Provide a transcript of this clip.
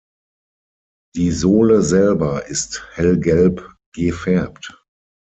Die Sohle selber ist hellgelb gefärbt.